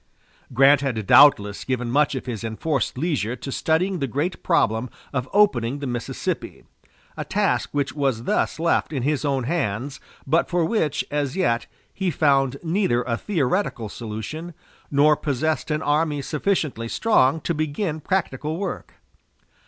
Grant had doubtless given much of his enforced leisure to studying the great problem of opening the Mississippi, a task which was thus left in his own hands, but for which, as yet, he found neither a theoretical solution, nor possessed an army sufficiently strong to begin practical work.